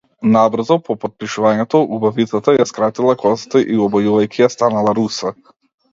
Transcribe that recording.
Набрзо по потпишувањето, убавицата ја скратила косата и обојувајќи ја станала руса.